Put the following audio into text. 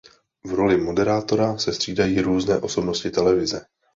V roli moderátora se střídají různé osobnosti televize.